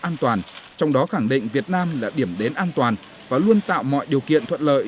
an toàn trong đó khẳng định việt nam là điểm đến an toàn và luôn tạo mọi điều kiện thuận lợi